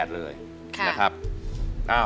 ๕๖๗๘เลยค่ะ